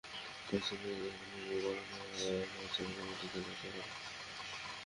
পাকিস্তানি সেনাদের হাতে নির্যাতিত বাঙালিরা শহর ছেড়ে গ্রামের দিকে যাত্রা করে।